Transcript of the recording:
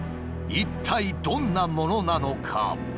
一体どんなものなのか？